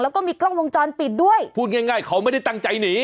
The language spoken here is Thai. แล้วก็มีกล้องวงจรปิดด้วยพูดง่ายง่ายเขาไม่ได้ตั้งใจหนี